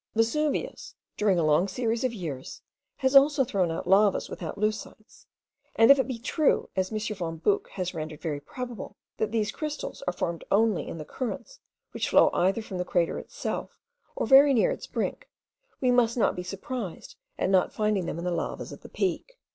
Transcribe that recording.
Vesuvius, during a long series of years, has also thrown out lavas without leucites: and if it be true, as M. von Buch has rendered very probable, that these crystals are formed only in the currents which flow either from the crater itself, or very near its brink, we must not be surprised at not finding them in the lavas of the peak.